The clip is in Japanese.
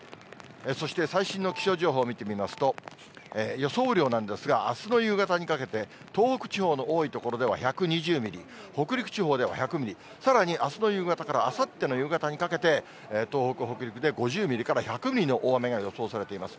そして最新の気象情報見てみますと、予想雨量なんですが、あすの夕方にかけて、東北地方の多い所では１２０ミリ、北陸地方では１００ミリ、さらにあすの夕方から、あさっての夕方にかけて東北、北陸で５０ミリから１００ミリの大雨が予想されています。